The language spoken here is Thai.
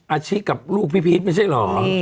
อาชีพกับลูกพี่พีชไม่ใช่เหรอ